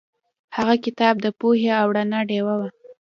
هغه کتاب د پوهې او رڼا ډیوه وه.